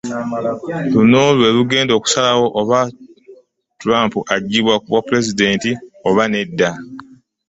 Luno lw'erugenda okusalawo oba Trump aggyibwa ku bwa pulezidenti oba nedda